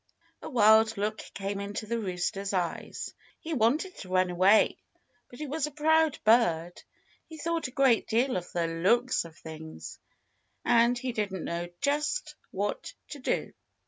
A wild look came into the rooster's eyes. He wanted to run away. But he was a proud bird. He thought a great deal of the looks of things. And he didn't know just what to do.